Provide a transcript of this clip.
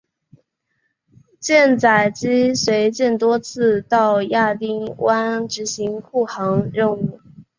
舰载机随舰多次到亚丁湾执行护航任务。